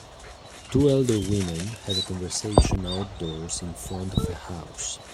Two elder women have a conversation outdoors in front of a house.